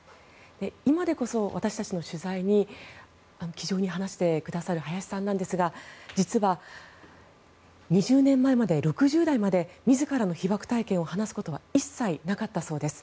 今でこそ私たちの取材に気丈に話してくださいますが実は２０年前、６０代まで自らの被爆体験を話すことは一切なかったそうです。